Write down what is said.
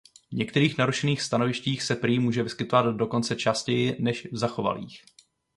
V některých narušených stanovištích se prý může vyskytovat dokonce častěji než v zachovalých.